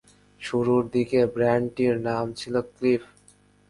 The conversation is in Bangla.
শুরুর দিকে ব্যান্ডটির নাম ছিল ক্লিফ।